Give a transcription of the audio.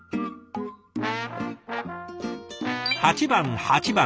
８番８番。